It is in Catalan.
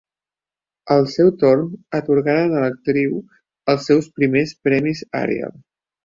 Al seu torn, atorgaren a l'actriu els seus primers Premis Ariel.